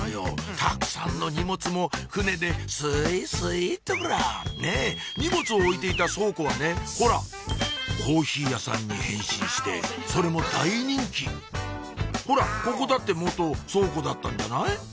たくさんの荷物も船ですいすいっとねぇ荷物を置いていた倉庫はねほらコーヒー屋さんに変身してそれも大人気ほらここだって倉庫だったんじゃない？